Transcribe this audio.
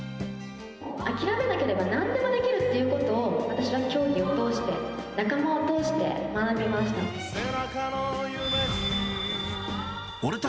諦めなければ、なんでもできるっていうことを、私は競技を通して、仲間を通して、学びました。